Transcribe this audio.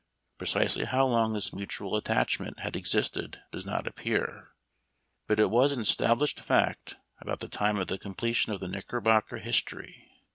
Precisely how long this mutual attachment had existed does not appear ; but it was an established fact about the time of the completion of the Knickerbocker history.